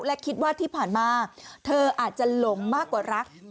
และคิดว่าที่ผ่านมาเธออาจจะหลงมากกว่ารัก